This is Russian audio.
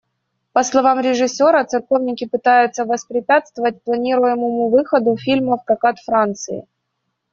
По словам режиссера, церковники пытаются воспрепятствовать планируемому выходу фильма в прокат Франции.